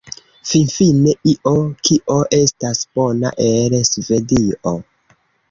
Finfine, io kio estas bona el Svedio